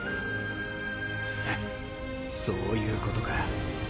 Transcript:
フッそういうことか。